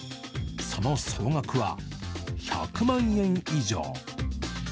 その総額は１００万円以上。